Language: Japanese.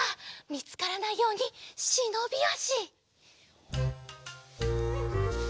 みつからないようにしのびあし。